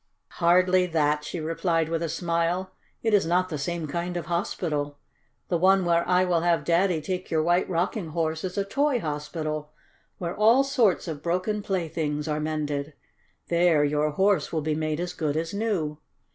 "Hardly that," she replied with a smile. "It is not the same kind of hospital. The one where I will have Daddy take your White Rocking Horse is a toy hospital, where all sorts of broken playthings are mended. There your Horse will be made as good as new."